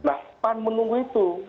nah pan menunggu itu